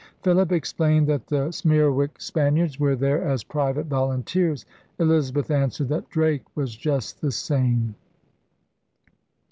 Philip explained that the Smerwick Spaniards were there as private volun teers. Elizabeth answered that Drake was just the same.